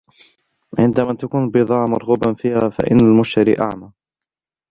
عندما تكون البضاعة مرغوبا فيها.. فإن المشترى أعمى.